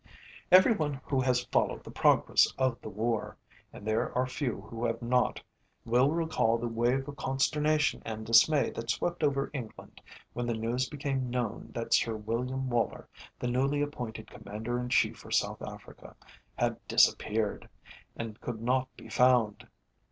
Every one who has followed the progress of the war and there are few who have not will recall the wave of consternation and dismay that swept over England when the news became known that Sir William Woller, the newly appointed Commander in Chief for South Africa, had disappeared, and could not be found.